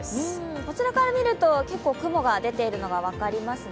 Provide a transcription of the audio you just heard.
こちらから見ると結構雲が出ているのが分かりますね。